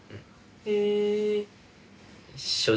へえ。